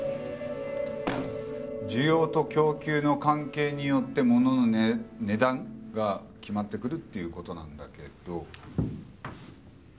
需要と供給の関係によって物の値段が決まってくるっていう事なんだけど。